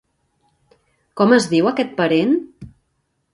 Com es diu aquest parent?